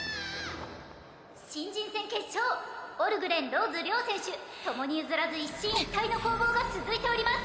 新人戦決勝オルグレンローズ両選手共に譲らず一進一退の攻防が続いております